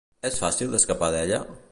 És fàcil escapar d'ella?